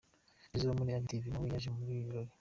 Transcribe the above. Tizzo wo muri Active nawe yaje muri ibi birori.